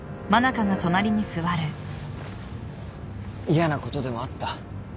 嫌なことでもあった？